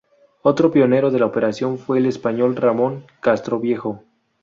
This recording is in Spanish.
Otro pionero de la operación fue el español Ramón Castroviejo.